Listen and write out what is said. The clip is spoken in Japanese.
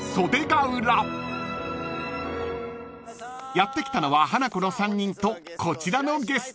［やって来たのはハナコの３人とこちらのゲスト］